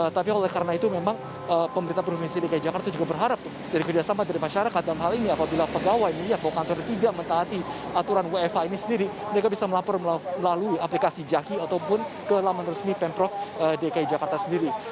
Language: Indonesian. tapi oleh karena itu memang pemerintah provinsi dki jakarta juga berharap dari kerjasama dari masyarakat dalam hal ini apabila pegawai melihat bahwa kantor tidak mentaati aturan wfh ini sendiri mereka bisa melapor melalui aplikasi jaki ataupun ke laman resmi pemprov dki jakarta sendiri